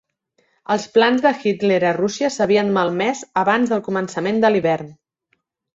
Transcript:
Els plans de Hitler a Rússia s'havien malmès abans del començament de l'hivern.